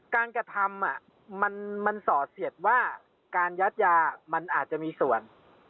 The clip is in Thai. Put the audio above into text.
กระทำมันสอดเสียดว่าการยัดยามันอาจจะมีส่วน